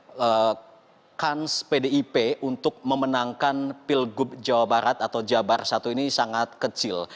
karena kans pdip untuk memenangkan pilgub jawa barat atau jabar satu ini sangat kecil